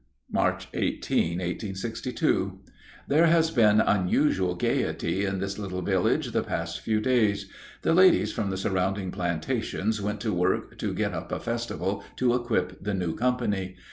March 18, 1862. There has been unusual gaiety in this little village the past few days. The ladies from the surrounding plantations went to work to get up a festival to equip the new company.